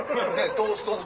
トーストの。